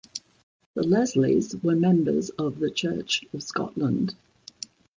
The Leslies were members of the Church of Scotland.